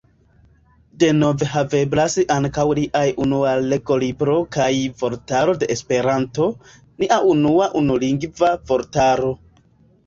Denove haveblas ankaŭ liaj Unua legolibro kaj Vortaro de Esperanto, nia unua unulingva vortaro.